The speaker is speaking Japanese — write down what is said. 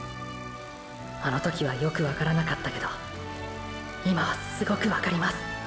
あの時はよくわからなかったけど今はすごくわかります。